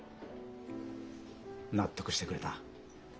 納得してくれた。